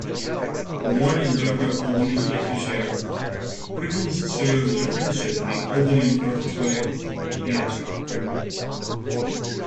Born in Derker, Oldham, Lancashire, Cribbins served an apprenticeship at the Oldham Repertory Theatre.